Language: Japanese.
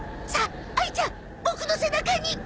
さああいちゃんボクの背中に！